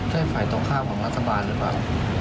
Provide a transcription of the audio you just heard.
ใช่ฝ่ายตรงข้ามของรัฐบาลหรือเปล่า